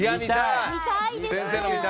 見たいです！